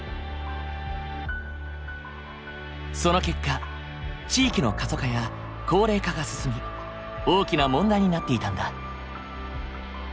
その結果地域の過疎化や高齢化が進み大きな問題になっていたんだ。